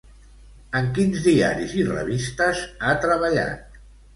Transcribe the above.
En quins diaris i revistes ha treballat?